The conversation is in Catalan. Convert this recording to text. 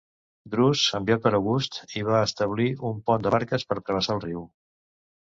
Drus, enviat per August, hi va establir un pont de barques per travessar el riu.